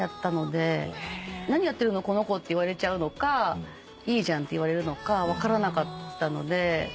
「何やってるのこの子」って言われちゃうのか「いいじゃん」って言われるのか分からなかったので。